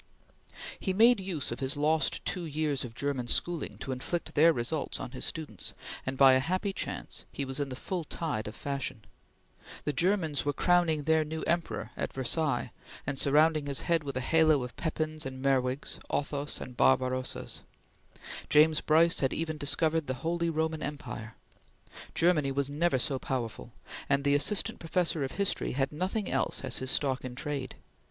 He made use of his lost two years of German schooling to inflict their results on his students, and by a happy chance he was in the full tide of fashion. The Germans were crowning their new emperor at Versailles, and surrounding his head with a halo of Pepins and Merwigs, Othos and Barbarossas. James Bryce had even discovered the Holy Roman Empire. Germany was never so powerful, and the Assistant Professor of History had nothing else as his stock in trade.